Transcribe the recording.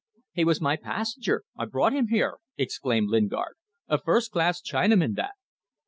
"He was my passenger; I brought him here," exclaimed Lingard. "A first class Chinaman that."